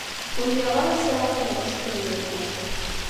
Ur lliɣ ara sɛiɣ tabɣest ad waliɣ.